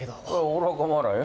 俺は構わないよ。